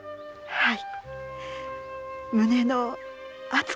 はい。